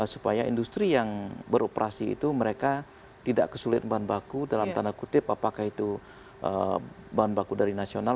supaya industri yang beroperasi itu mereka tidak kesulitan bahan baku dalam tanda kutip apakah itu bahan baku dari nasional